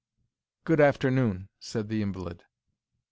"Good afternoon," said the invalid.